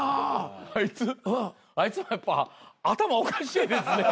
あいつあいつもやっぱ頭おかしいですね。